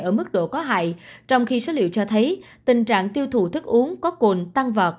ở mức độ có hại trong khi số liệu cho thấy tình trạng tiêu thụ thức uống có cồn tăng vọt